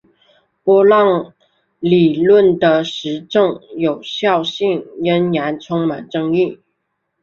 波浪理论的实证有效性仍然充满争议。